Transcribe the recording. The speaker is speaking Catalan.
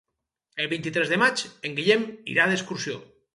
El vint-i-tres de maig en Guillem irà d'excursió.